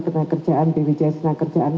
kena kerjaan bwj sena kerjaan